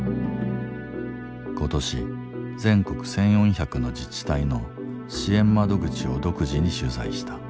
今年全国１，４００の自治体の支援窓口を独自に取材した。